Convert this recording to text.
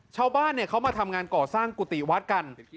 ชาวบ้านเขามาทำงานก่อสร้างกุฏิวัดกัน